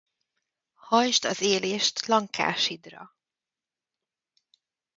Hajtsd az élést lankásidra!